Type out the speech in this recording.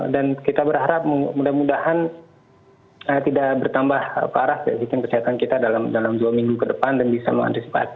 dan kita berharap mudah mudahan tidak bertambah parah ya vaksin kesehatan kita dalam dua minggu ke depan dan bisa mengantisipasi